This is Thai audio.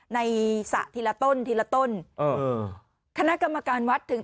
ในศพทีละต้นทีละต้นคณะกรรมการวัดถึง